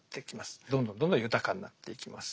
どんどんどんどん豊かになっていきます。